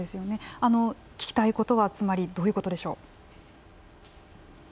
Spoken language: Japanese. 聞きたいことはつまりどういうことでしょう？